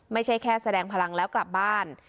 ไม่ใช่แค่แสดงพลังแล้วกลับบ้าน